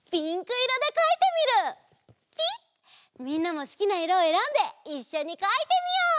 みんなもすきないろをえらんでいっしょにかいてみよう！